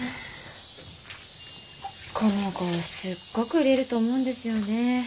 この号すっごく売れると思うんですよね。